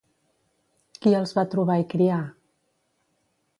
Qui els va trobar i criar?